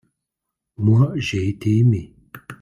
moi, j'ai été aimé.